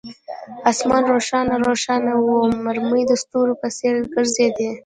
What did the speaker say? آسمان روښانه روښانه وو، مرمۍ د ستورو په څیر ګرځېدې.